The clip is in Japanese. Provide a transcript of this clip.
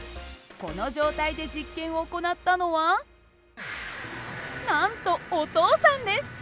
この状態で実験を行ったのはなんとお父さんです！